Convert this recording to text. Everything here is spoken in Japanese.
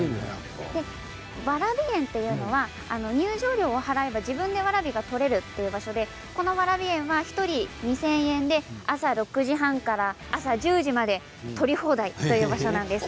わらび園というのは入場料を払えば自分でわらびが採れるという場所でこのわらび園は１人２０００円で朝６時半から朝１０時まで採り放題という場所です。